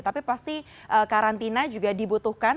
tapi pasti karantina juga dibutuhkan